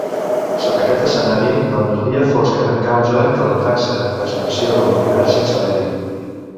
Sota aquest escenari, l'energia fosca causa que la taxa d'expansió de l'univers s'acceleri.